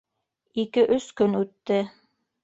Ике-өс көн үтте.